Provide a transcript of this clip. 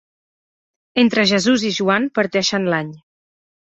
Entre Jesús i Joan parteixen l'any.